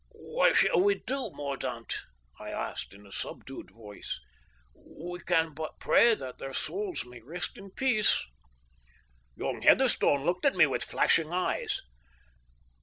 "What shall we do, Mordaunt?" I asked, in a subdued voice. "We can but pray that their souls may rest in peace." Young Heatherstone looked at me with flashing eyes.